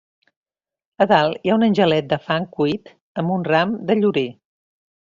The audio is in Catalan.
A dalt hi ha un angelet de fang cuit amb un ram de llorer.